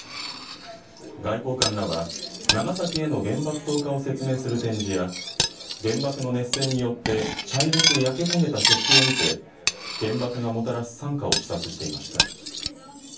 外交官らは長崎への原爆投下を説明する展示や原爆の熱線によって茶色く焼け焦げた食器を見て原爆がもたらす惨禍を視察していました。